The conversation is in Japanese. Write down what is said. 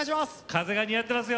風が似合ってますよ。